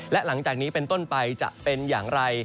และหลังจากนี้เป็นต้นไปจะเป็นอย่างไร